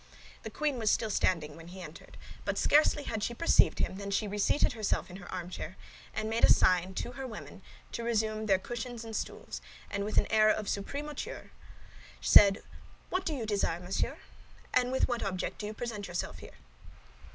The queen was still standing when he entered; but scarcely had she perceived him then she reseated herself in her armchair, and made a sign to her women to resume their cushions and stools, and with an air of supreme hauteur, said, "What do you desire, monsieur, and with what object do you present yourself here?"